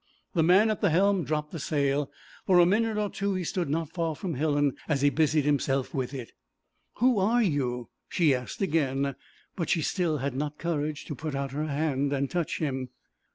The man at the helm dropped the sail; for a minute or two he stood not far from Helen as he busied himself with it. 'Who are you?' she asked again, but she still had not courage to put out her hand and touch him.